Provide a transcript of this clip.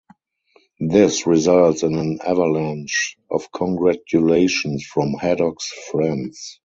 This results in an avalanche of congratulations from Haddock's friends.